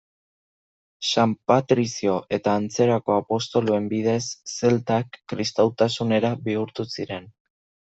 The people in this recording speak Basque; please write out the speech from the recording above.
San Patrizio eta antzerako apostoluen bidez zeltak kristautasunera bihurtu ziren.